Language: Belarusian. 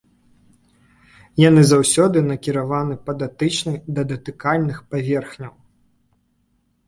Яны заўсёды накіраваны па датычнай да датыкальных паверхняў.